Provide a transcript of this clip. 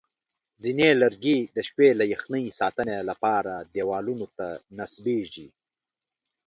ځینې لرګي د شپې له یخنۍ ساتنې لپاره دیوالونو ته نصبېږي.